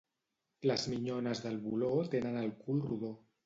Les minyones del Voló tenen el cul rodó.